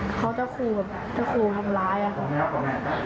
เขาจะฟูแบบจะฟูทำร้ายอะ